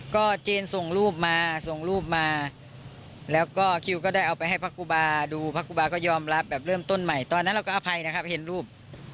ก็เจนส่งรูปมาส่งรูปมาแล้วก็คิวก็ได้เอาไปให้พระครูบาดูพระครูบาก็ยอมรับแบบเริ่มต้นใหม่ตอนนั้นเราก็อภัยนะครับเห็นรูป